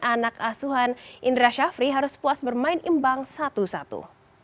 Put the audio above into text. anak asuhan indra syafri harus puas bermain imbang satu satu